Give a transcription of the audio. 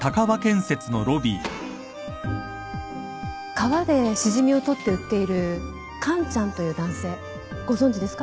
川でシジミを採って売っているカンちゃんという男性ご存じですか？